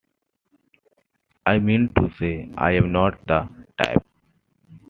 I mean to say, I'm not the type.